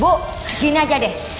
bu gini aja deh